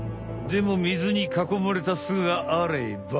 でも水にかこまれた巣があれば。